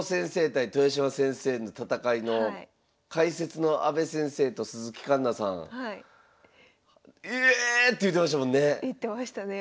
対豊島先生の戦いの解説の阿部先生と鈴木環那さんええ！って言うてましたもんね。